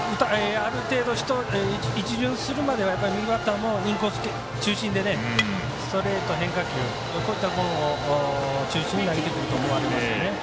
ある程度、一巡するまでは右バッターもインコース中心でストレート、変化球こういったものを中心に投げてくると思われますよね。